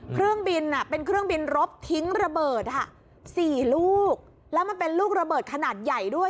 เครื่องบินเป็นเครื่องบินรบทิ้งระเบิด๔ลูกแล้วมันเป็นลูกระเบิดขนาดใหญ่ด้วย